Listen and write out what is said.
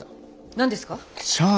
何ですか？